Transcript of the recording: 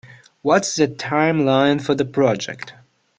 What's the timeline for the project?